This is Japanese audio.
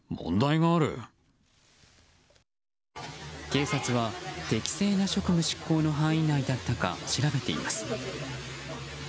警察は適切な職務執行の範囲内だったか調べています。